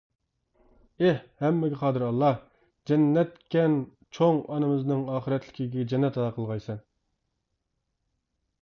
ئېھ ھەممىگە قادىر ئاللا، جەننەتكەن چوڭ ئانىمىزنىڭ ئاخىرەتلىكىگە جەننەت ئاتا قىلغايسەن.